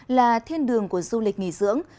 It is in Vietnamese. là thiên đường của du lịch nghỉ dưỡng